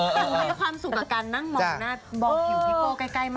แต่มันมีความสุขกับการนั่งมองหน้ามองผิวพี่โก้ใกล้มาก